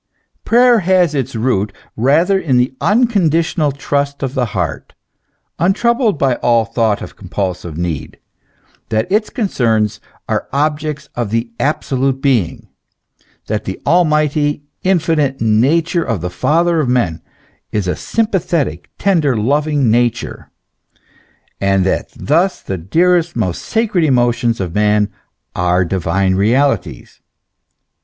Prayer has its root rather in the unconditional trust of the heart, untroubled by all thought of compulsive need, that its concerns are objects of the absolute Being, that the almighty, infinite nature of the Father of men, is a sympathetic, tender, loving nature, and that thus the dearest, most sacred emotions of man are divine realities.